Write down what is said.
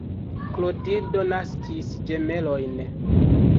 Klotildo naskis ĝemelojn.